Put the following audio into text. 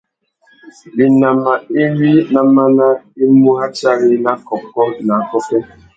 Winama iwí ná máná i mú ratiari nà kôkô nà akôffê.